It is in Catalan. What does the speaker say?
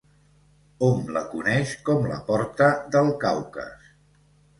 Hom la coneix com la porta del Caucas.